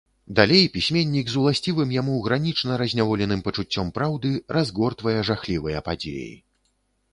Далей пісьменнік з уласцівым яму гранічна разняволеным пачуццём праўды разгортвае жахлівыя падзеі.